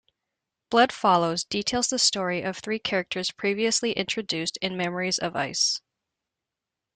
"Blood Follows" details the story of three characters previously introduced in "Memories of Ice".